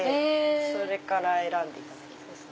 それから選んでいただきます。